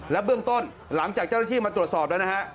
และเบื้องต้นหลังจากเจ้าหน้าที่มาตรวจสอบ